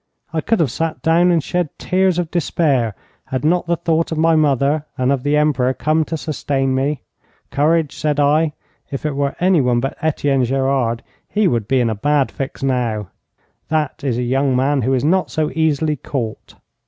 I could have sat down and shed tears of despair had not the thought of my mother and of the Emperor come to sustain me. 'Courage!' said I. 'If it were anyone but Etienne Gerard he would be in a bad fix now; that is a young man who is not so easily caught.'